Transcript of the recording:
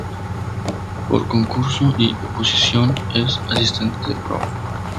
Por concurso y oposición es asistente del Prof.